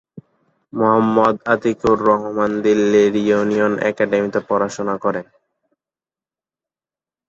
মোহাম্মদ আতিকুর রহমান, দিল্লির ইউনিয়ন একাডেমিতে পড়াশোনা করেন।